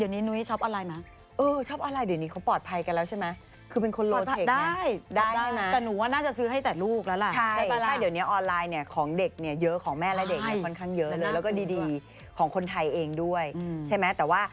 น้ำมันมะพร้านี่ทานได้ด้วยนะ